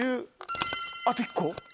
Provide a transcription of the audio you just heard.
あと１個。